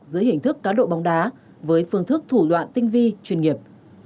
dưới hình thức cá độ bóng đá với phương thức thủ đoạn tinh vi chuyên nghiệp